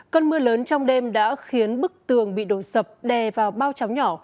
cơn mưa lớn trong đêm đã khiến bức tường bị đổ sập đè vào bao tróng nhỏ